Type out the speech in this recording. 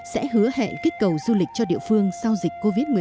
sẽ hứa hẹn kích cầu du lịch cho địa phương sau dịch covid một mươi chín